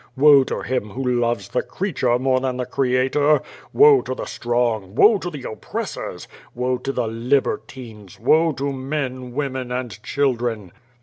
Woe to him who loves the creature more than the Creator. Woe to the strong, woe to the oppressors, woe to the libertines, woe to men, women, and children!'